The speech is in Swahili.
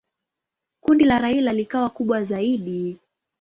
Kundi la Raila likawa kubwa zaidi.